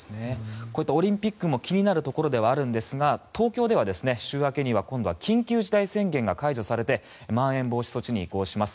こういったオリンピックも気になるところではあるんですが東京では週明けには緊急事態宣言が解除されてまん延防止措置に移行します。